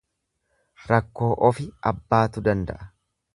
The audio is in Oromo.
Rakkoo ofi abbaatu danda'a.